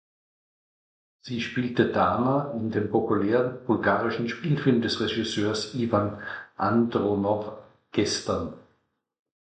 Sie spielte Dana in dem populären bulgarischen Spielfilm des Regisseurs Iwan Andonow, "Gestern".